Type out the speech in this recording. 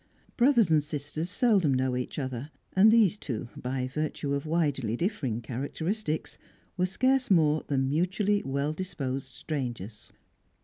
Brothers and sisters seldom know each other; and these two, by virtue of widely differing characteristics, were scarce more than mutually well disposed strangers.